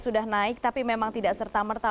sudah naik tapi memang tidak serta merta